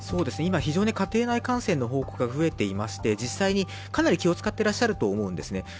今、非常に家庭内感染の報告が増えていまして、実際にかなり気を使っていらっしゃると思うんですね。